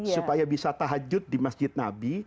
supaya bisa tahajud di masjid nabi